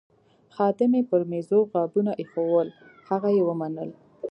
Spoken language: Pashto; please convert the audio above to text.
خادمه پر میزو غابونه ایښوول، هغه یې ومنل.